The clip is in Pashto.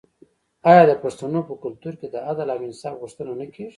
آیا د پښتنو په کلتور کې د عدل او انصاف غوښتنه نه کیږي؟